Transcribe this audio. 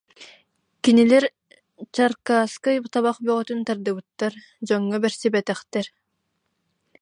Кинилэр чаркааскай табах бөҕөтүн тардыбыттар, дьоҥҥо бэрсибэтэхтэр